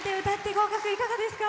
合格いかがですか？